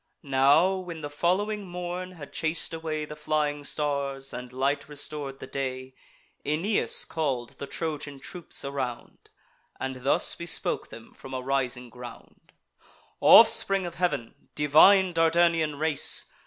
Now, when the following morn had chas'd away The flying stars, and light restor'd the day, Aeneas call'd the Trojan troops around, And thus bespoke them from a rising ground: "Offspring of heav'n, divine Dardanian race!